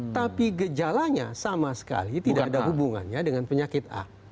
tapi gejalanya sama sekali tidak ada hubungannya dengan penyakit a